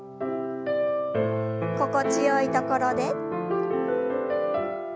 心地よいところで。